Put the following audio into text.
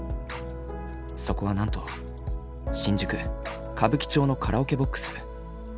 そこはなんと新宿・歌舞伎町のカラオケボックス。